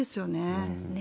そうですね。